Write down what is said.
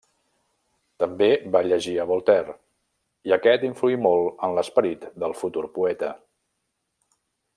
També va llegir a Voltaire, i aquest influí molt en l'esperit del futur poeta.